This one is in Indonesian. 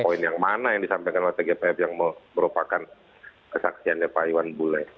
poin yang mana yang disampaikan oleh tgpf yang merupakan kesaksiannya pak iwan bule